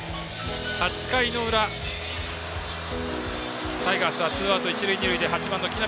８回の裏、タイガースはツーアウト、一塁二塁で８番の木浪。